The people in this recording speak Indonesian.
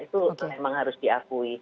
itu memang harus diakui